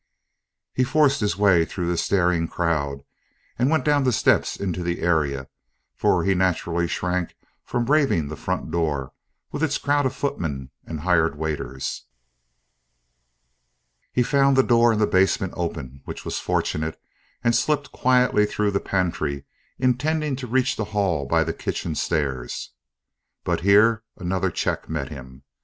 He forced his way through the staring crowd, and went down the steps into the area; for he naturally shrank from braving the front door, with its crowd of footmen and hired waiters. He found the door in the basement open, which was fortunate, and slipped quietly through the pantry, intending to reach the hall by the kitchen stairs. But here another check met him.